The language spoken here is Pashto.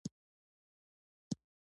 ایا زه باید د سترګو ټسټ وکړم؟